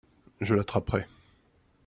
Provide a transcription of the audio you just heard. Je l'attraperai.